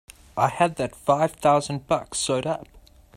I had that five thousand bucks sewed up!